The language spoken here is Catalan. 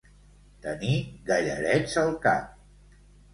Tenir gallarets al cap.